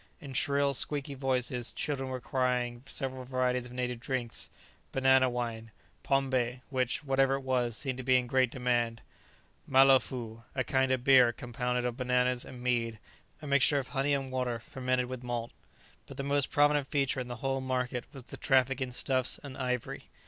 In shrill, squeaky voices, children were crying several varieties of native drinks; banana wine, pombé, which, whatever it was, seemed to be in great demand; malofoo, a kind of beer compounded of bananas, and mead, a mixture of honey and water, fermented with malt. But the most prominent feature in the whole market was the traffic in stuffs and ivory.